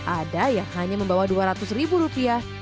ada yang hanya membawa dua ratus ribu rupiah